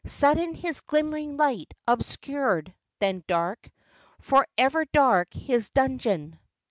Sudden his glimmering light obscured, then dark, For ever dark, his dungeon.